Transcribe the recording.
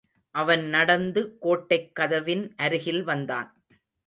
அவன் நடந்து கோட்டைக் கதவின் அருகில் வந்தான்.